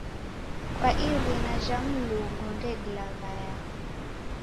Kwa irina jha Mulungu ndedilaghaya